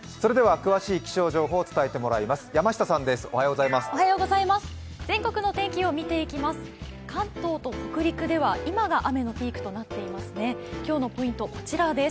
詳しい気象情報を伝えてもらいます。